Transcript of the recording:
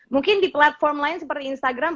mungkin di platform lain seperti instagram